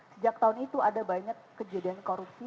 sejak tahun itu ada banyak kejadian korupsi